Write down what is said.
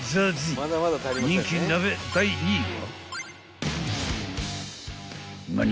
［人気鍋第２位は］